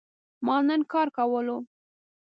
ما نن کار کولو